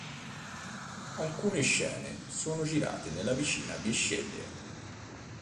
Alcune scene sono girate nella vicina Bisceglie.